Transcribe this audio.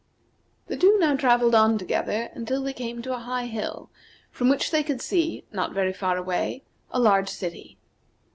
The two now travelled on together until they came to a high hill, from which they could see, not very far away, a large city.